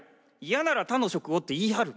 嫌なら他の職をって言い張る。